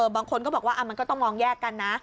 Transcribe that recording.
บางคนก็บอกว่ามันก็ต้องมองแยกกันนะ